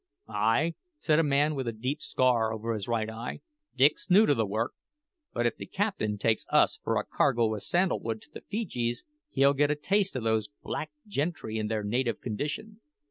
"Ay," said a man with a deep scar over his right eye. "Dick's new to the work. But if the captain takes us for a cargo o' sandal wood to the Feejees, he'll get a taste o' these black gentry in their native condition.